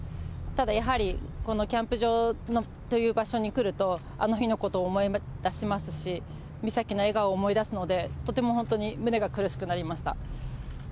ただやはり、このキャンプ場という場所に来ると、あの日のことを思い出しますし、美咲の笑顔を思い出すので、とても本当に胸が苦しくなりました。